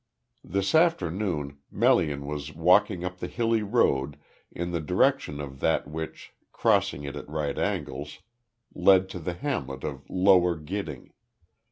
This afternoon, Melian was walking up the hilly road in the direction of that which, crossing it at right angles, led to the hamlet of Lower Gidding.